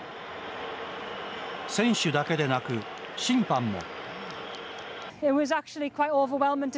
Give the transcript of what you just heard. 選手だけでなく、審判も。